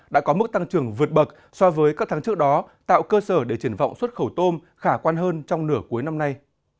đã có mức tăng trưởng vượt bậc so với các tháng trước đó tạo cơ sở để triển vọng xuất khẩu tôm khả quan hơn trong nửa cuối năm nay